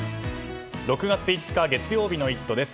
６月５日、月曜日の「イット！」です。